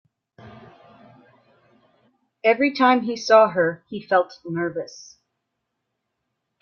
Every time he saw her, he felt nervous.